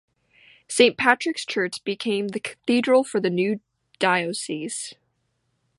Saint Patrick's Church became the cathedral for the new diocese.